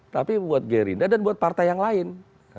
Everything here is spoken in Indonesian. tapi buat gerindra dan buat partai yang lain